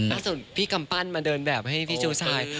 ถ้าสุดพี่กำปั้นมาเดินแบบให้พี่ชูชาย